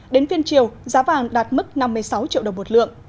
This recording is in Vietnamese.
đến phiên chiều giá vàng đạt mức năm mươi sáu triệu đồng một lượng